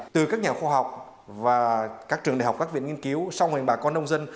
từ các nhà khoa học và các trường đại học các viện nghiên cứu song hành bà con nông dân